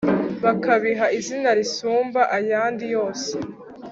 bakabiha izina risumba ayandi yose